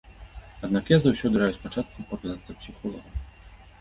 Аднак я заўсёды раю спачатку паказацца псіхолагам.